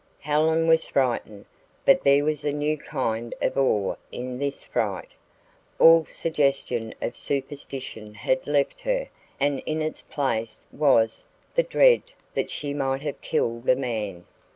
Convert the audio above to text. Helen was frightened, but there was a new kind of awe in this fright. All suggestion of superstition had left her and in its place was the dread that she might have killed a man.